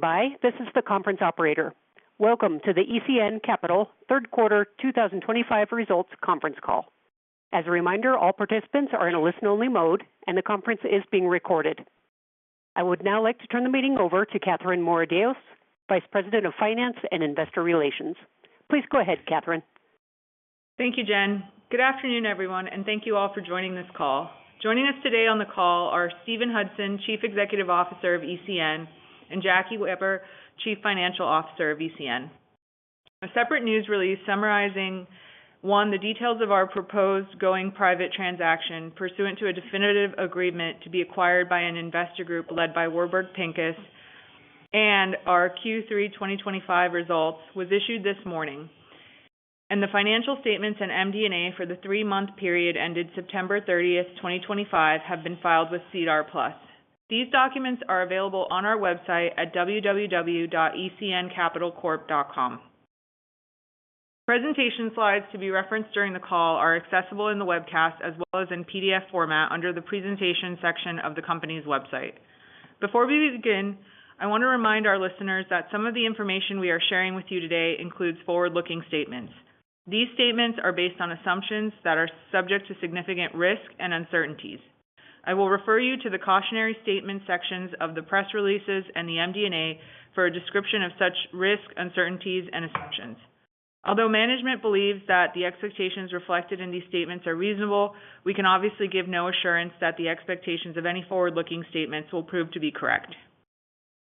Bye, this is the conference operator. Welcome to the ECN Capital Q3 2025 Results conference call. As a reminder, all participants are in a listen-only mode, and the conference is being recorded. I would now like to turn the meeting over to Katherine Moradiellos, Vice President of Finance and Investor Relations. Please go ahead, Katherine. Thank you, Jen. Good afternoon, everyone, and thank you all for joining this call. Joining us today on the call are Steven Hudson, Chief Executive Officer of ECN, and Jackie Weber, Chief Financial Officer of ECN. A separate news release summarizing, one, the details of our proposed going private transaction pursuant to a definitive agreement to be acquired by an investor group led by Warburg Pincus and our Q3 2025 results was issued this morning, and the financial statements and MD&A for the three-month period ended September 30, 2025, have been filed with SEDAR+. These documents are available on our website at www.ecncapitalcorp.com. Presentation slides to be referenced during the call are accessible in the webcast as well as in PDF format under the presentation section of the company's website. Before we begin, I want to remind our listeners that some of the information we are sharing with you today includes forward-looking statements. These statements are based on assumptions that are subject to significant risk and uncertainties. I will refer you to the cautionary statement sections of the press releases and the MD&A for a description of such risk, uncertainties, and assumptions. Although management believes that the expectations reflected in these statements are reasonable, we can obviously give no assurance that the expectations of any forward-looking statements will prove to be correct.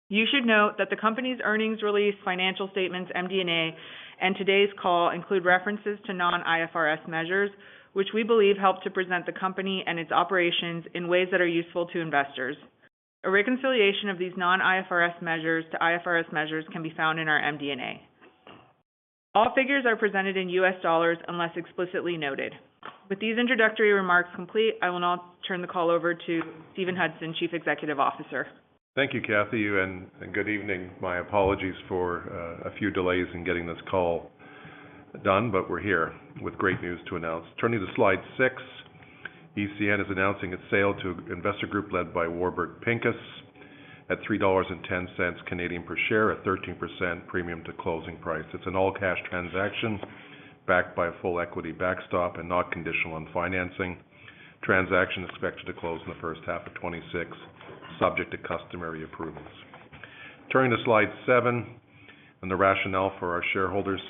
You should note that the company's earnings release, financial statements, MD&A, and today's call include references to non-IFRS measures, which we believe help to present the company and its operations in ways that are useful to investors. A reconciliation of these non-IFRS measures to IFRS measures can be found in our MD&A. All figures are presented in U.S. dollars unless explicitly noted. With these introductory remarks complete, I will now turn the call over to Steven Hudson, Chief Executive Officer. Thank you, Kathy, and good evening. My apologies for a few delays in getting this call done, but we're here with great news to announce. Turning to slide six, ECN Capital is announcing its sale to an investor group led by Warburg Pincus at 3.10 Canadian dollars per share at 13% premium to closing price. It's an all-cash transaction backed by a full equity backstop and not conditional on financing. Transaction expected to close in the first half of 2026, subject to customary approvals. Turning to slide seven and the rationale for our shareholders,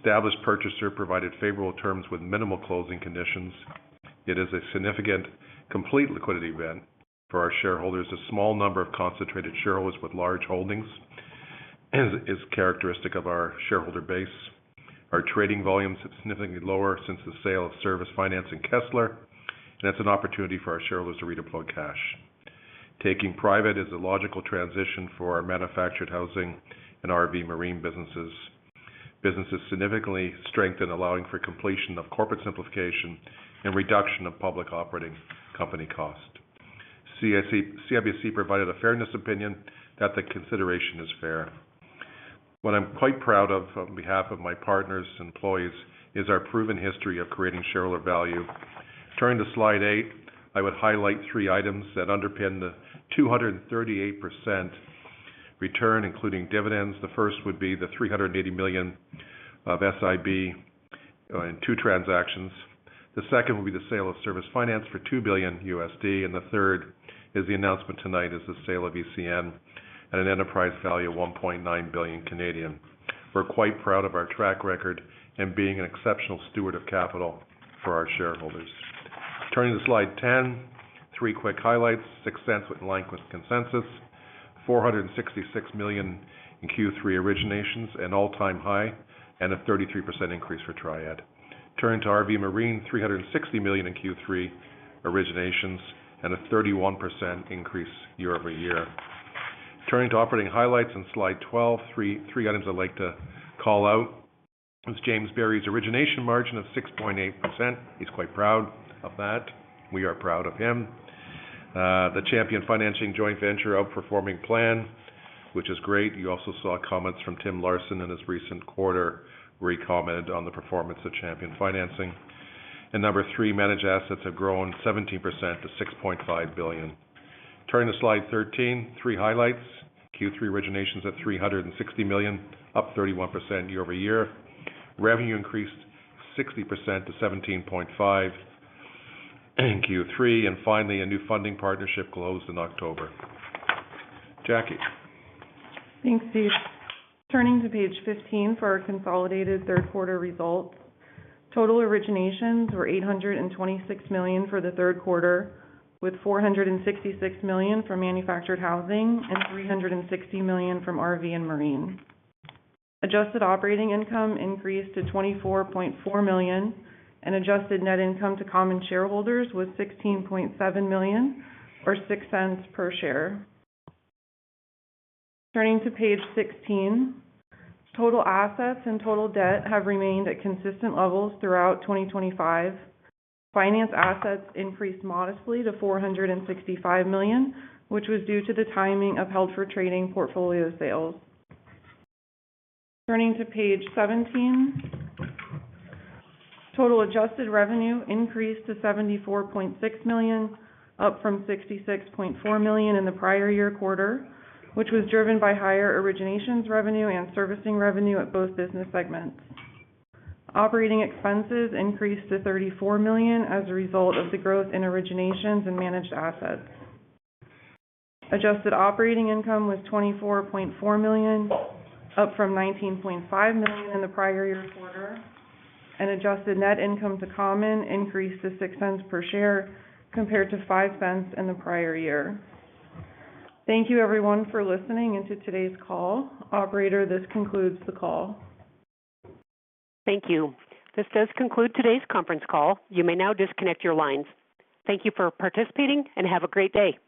established purchaser provided favorable terms with minimal closing conditions. It is a significant complete liquidity event for our shareholders. A small number of concentrated shareholders with large holdings is characteristic of our shareholder base. Our trading volumes have significantly lowered since the sale of Service Finance and Kessler, and that's an opportunity for our shareholders to redeploy cash. Taking private is a logical transition for our manufactured housing and RV marine businesses. Businesses significantly strengthen, allowing for completion of corporate simplification and reduction of public operating company cost. CIBC provided a fairness opinion that the consideration is fair. What I'm quite proud of on behalf of my partners and employees is our proven history of creating shareholder value. Turning to slide eight, I would highlight three items that underpin the 238% return, including dividends. The first would be the $380 million of SIB in two transactions. The second would be the sale of Service Finance for $2 billion USD, and the third is the announcement tonight is the sale of ECN at an enterprise value of 1.9 billion. We're quite proud of our track record and being an exceptional steward of capital for our shareholders. Turning to slide ten, three quick highlights: sixth and like with consensus, $466 million in Q3 originations, an all-time high, and a 33% increase for Triad. Turning to RV marine, $360 million in Q3 originations and a 31% increase year over year. Turning to operating highlights in slide twelve, three items I'd like to call out is James Berry's origination margin of 6.8%. He's quite proud of that. We are proud of him. The Champion Financing Joint Venture outperforming plan, which is great. You also saw comments from Tim Larson in his recent quarter where he commented on the performance of Champion Financing. And number three, managed assets have grown 17% to $6.5 billion. Turning to slide 13, three highlights: Q3 originations at $360 million, up 31% year over year. Revenue increased 60% to $17.5 million in Q3. And finally, a new funding partnership closed in October. Jackie. Thanks, Steve. Turning to page 15 for our consolidated Q3 results, total originations were $826 million for the third quarter, with $466 million from manufactured housing and $360 million from RV and marine. Adjusted operating income increased to $24.4 million, and adjusted net income to common shareholders was $16.7 million, or $0.06 per share. Turning to page 16, total assets and total debt have remained at consistent levels throughout 2025. Finance assets increased modestly to $465 million, which was due to the timing of held-for-trading portfolio sales. Turning to page 17, total adjusted revenue increased to $74.6 million, up from $66.4 million in the prior year quarter, which was driven by higher originations revenue and servicing revenue at both business segments. Operating expenses increased to $34 million as a result of the growth in originations and managed assets. Adjusted operating income was $24.4 million, up from $19.5 million in the prior year quarter, and adjusted net income to common increased to $0.06 per share compared to $0.05 in the prior year. Thank you, everyone, for listening into today's call. Operator, this concludes the call. Thank you. This does conclude today's conference call. You may now disconnect your lines. Thank you for participating and have a great day.